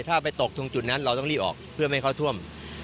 ถ้าไปตกตรงจุดนั้นเราต้องรีบออกเพื่อไม่เข้าท่วม